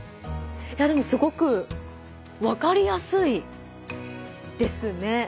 でもすごくわかりやすいですね。